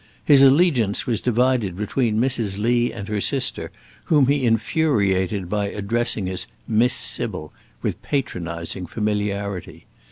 His allegiance was divided between Mrs. Lee and her sister, whom he infuriated by addressing as "Miss Sybil" with patronising familiarity.